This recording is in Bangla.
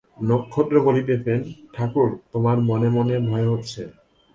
নক্ষত্র বলিতেছিলেন, ঠাকুর, তোমার মনে মনে ভয় হচ্ছে।